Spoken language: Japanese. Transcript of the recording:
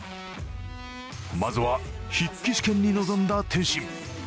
まずは筆記試験に臨んだ天心。